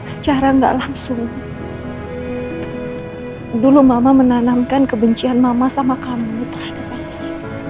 secara nggak langsung dulu mama menanamkan kebencian mama sama kamu terhadap bangsa